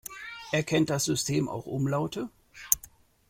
Erkennt das System auch Umlaute?